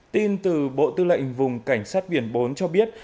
tin từ bộ tư lệnh vùng cảnh sát biển bốn cho biết